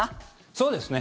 そうですね。